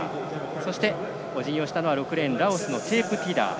そしておじぎをしたのは６レーンラオスのティダー。